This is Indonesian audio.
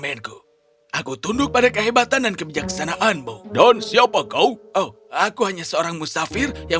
menku aku tunduk pada kehebatan dan kebijaksanaanmu dan siapa kau oh aku hanya seorang musafir yang